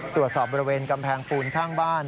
ตรวจสอบบริเวณกำแพงปูนข้างบ้าน